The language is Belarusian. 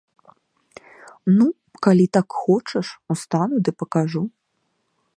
Ну, калі так хочаш, устану ды пакажу.